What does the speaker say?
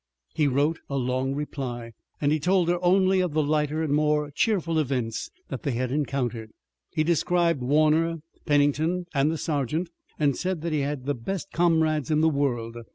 He wrote a long reply, and he told her only of the lighter and more cheerful events that they had encountered. He described Warner, Pennington, and the sergeant, and said that he had the best comrades in the world.